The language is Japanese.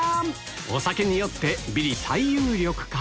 お酒に酔ってビリ最有力か？